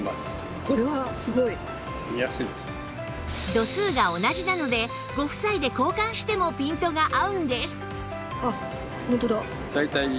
度数が同じなのでご夫妻で交換してもピントが合うんです